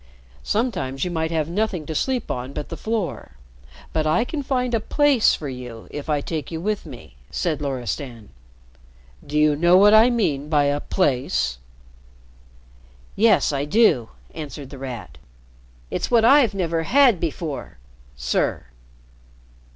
Sometimes you might have nothing to sleep on but the floor. But I can find a place for you if I take you with me," said Loristan. "Do you know what I mean by a place?" "Yes, I do," answered The Rat. "It's what I've never had before sir."